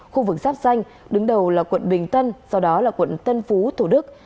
khu vực giáp xanh đứng đầu là quận bình tân sau đó là quận tân phú thủ đức